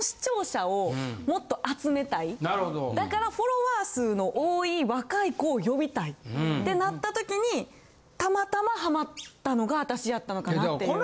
だからフォロワー数の多い若い子を呼びたいってなった時にたまたまハマったのが私やったのかなっていう。